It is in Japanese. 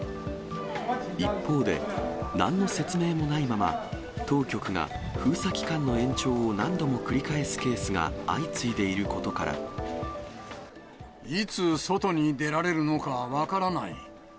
一方で、なんの説明もないまま、当局が封鎖期間の延長を何度も繰り返すケースが相次いでいることいつ、外に出られるのか分からない。